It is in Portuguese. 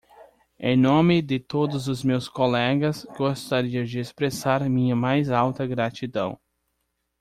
Em nome de todos os meus colegas, gostaria de expressar minha mais alta gratidão!